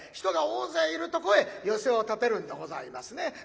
人が大勢いるとこへ寄席を建てるんでございますね。